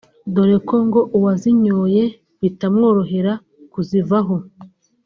dore ko ngo uwazinyoye bitamworohera kuzivaho